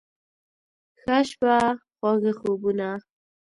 ښه شپه، خواږه خوبونه